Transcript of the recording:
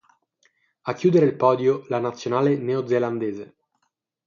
A chiudere il podio la nazionale neozelandese.